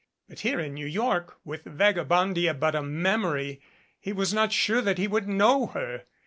But here in New York, with Vagabondia but a memory, he was not sure that he would know her.